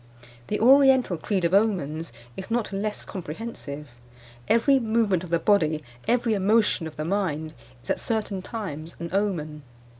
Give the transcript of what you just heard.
The oriental creed of omens is not less comprehensive. Every movement of the body, every emotion of the mind, is at certain times an omen.